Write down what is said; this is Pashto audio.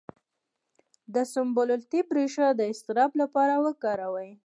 د سنبل الطیب ریښه د اضطراب لپاره وکاروئ